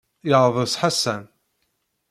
Yeɛḍes Ḥasan.